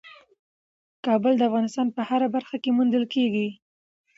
کابل د افغانستان په هره برخه کې موندل کېږي.